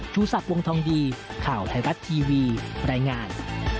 ชูศักดิ์วงทองดีข่าวไทยรัฐทีวีรายงาน